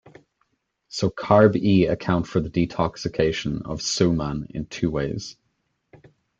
So CarbE account for the detoxication of soman in two ways.